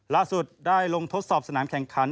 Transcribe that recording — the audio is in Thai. ล่าสุดได้ลงทดสอบสนามแข่งขัน